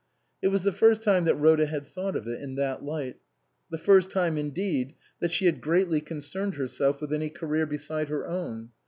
It was the first time that Rhoda had thought of it in that light ; the first time indeed that she had greatly concerned herself with any career beside her own.